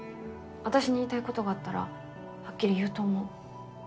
私に言いたい事があったらはっきり言うと思う。